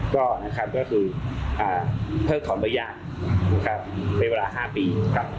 ก็คือเพิ่งถอนบัญญาณไปเวลา๕ปี